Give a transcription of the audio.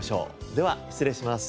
では失礼します。